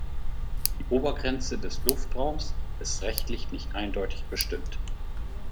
Die Obergrenze des Luftraums ist rechtlich nicht eindeutig bestimmt.